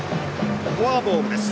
フォアボールです。